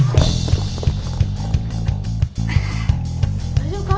大丈夫か？